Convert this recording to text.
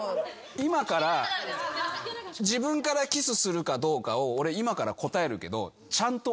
今から自分からキスするかどうか俺答えるけどちゃんと。